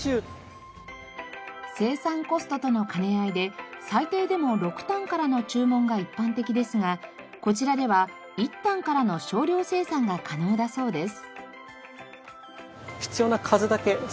生産コストとの兼ね合いで最低でも６反からの注文が一般的ですがこちらでは１反からの少量生産が可能だそうです。